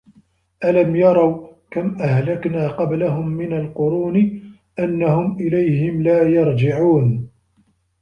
أَلَم يَرَوا كَم أَهلَكنا قَبلَهُم مِنَ القُرونِ أَنَّهُم إِلَيهِم لا يَرجِعونَ